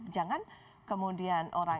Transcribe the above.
jangan kemudian orang